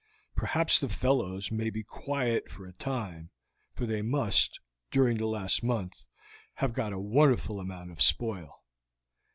Perhaps the fellows may be quiet for a time, for they must, during the last month, have got a wonderful amount of spoil.